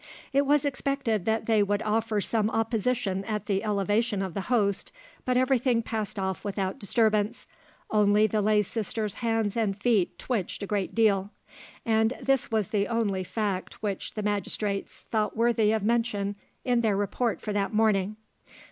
It was expected that they would offer some opposition at the elevation of the Host, but everything passed off without disturbance, only the lay sister's hands and feet twitched a great deal; and this was the only fact which the magistrates thought worthy of mention in their report for that morning.